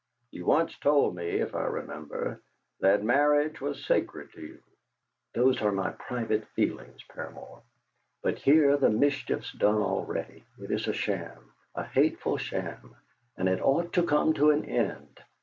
You once told me, if I remember, that marriage was sacred to you!" "Those are my own private feelings, Paramor. But here the mischief's done already. It is a sham, a hateful sham, and it ought to come to an end!"